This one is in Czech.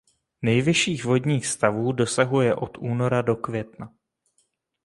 Nejvyšších vodních stavů dosahuje od února do května.